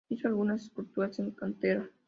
Hizo algunas esculturas en cantera.